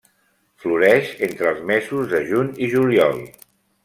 Floreix entre els mesos de juny i juliol.